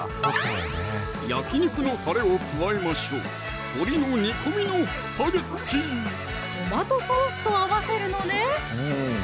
焼き肉のたれを加えましょうトマトソースと合わせるのね